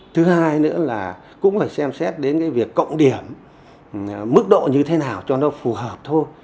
thứ hai nữa là cũng phải xem xét đến cái việc cộng điểm mức độ như thế nào cho nó phù hợp thôi